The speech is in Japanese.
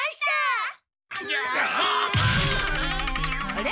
あれ？